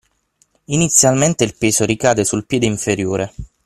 Inizialmente il peso ricade sul piede inferiore